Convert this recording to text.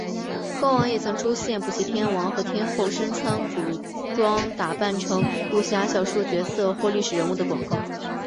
过往也曾出现补习天王和天后身穿古装打扮成武侠小说角色或历史人物的广告。